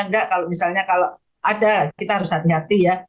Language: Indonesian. enggak kalau misalnya kalau ada kita harus hati hati ya